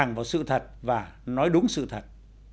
thẳng vào sự thật và nói đúng sự thật